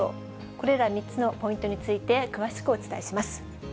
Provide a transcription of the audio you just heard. これら３つのポイントについて、詳しくお伝えします。